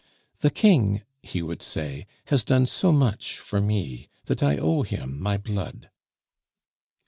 "The King," he would say, "has done so much for me, that I owe him my blood."